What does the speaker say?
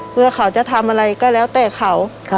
เพื่อเขาจะทำอะไรก็แล้วแต่เขา